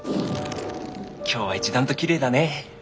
今日は一段ときれいだね。